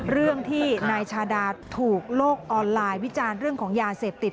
เรื่องที่นายชาดาถูกโลกออนไลน์วิจารณ์เรื่องของยาเสพติด